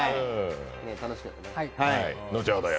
楽しかったね。